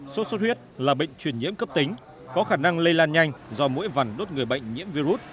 sốt xuất huyết là bệnh truyền nhiễm cấp tính có khả năng lây lan nhanh do mũi vằn đốt người bệnh nhiễm virus